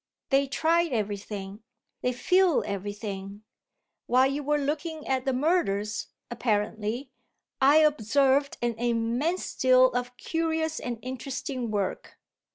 They try everything, they feel everything. While you were looking at the murders, apparently, I observed an immense deal of curious and interesting work.